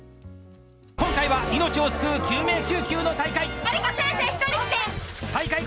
今回は命を救う救命救急の大会。